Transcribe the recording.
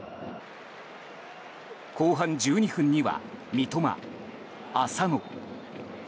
後半１２分には三笘、浅野。